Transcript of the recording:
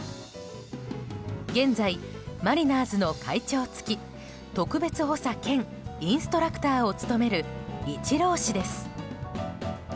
現在、マリナーズの会長付特別補佐兼インストラクターを務めるイチロー氏です。